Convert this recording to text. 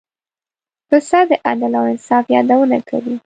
پسه د عدل او انصاف یادونه کوي.